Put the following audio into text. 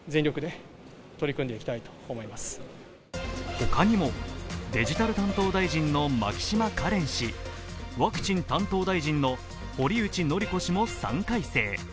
他にも、デジタル担当大臣の牧島かれん氏、ワクチン担当大臣の堀内詔子氏も３回生。